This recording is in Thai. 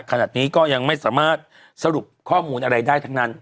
ขณะนี้ก็ยังไม่สามารถสรุปข้อมูลอะไรได้ทั้งนั้น